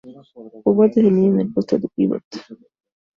Jugó desde niño en el puesto de pívot.